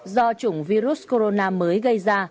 do chủng virus corona mới gây ra